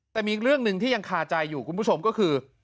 แต่มีอีกเรื่องหนึ่งที่ยังคาใจอยู่คุณผู้ชมก็คือ